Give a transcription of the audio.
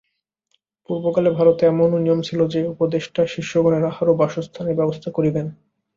পূর্বকালে ভারতে এমনও নিয়ম ছিল যে, উপদেষ্টা শিষ্যগণের আহার ও বাসস্থানের ব্যবস্থা করিবেন।